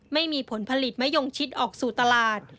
ไม่มีผลผลิตมะยงชิดออกสู่ตลาด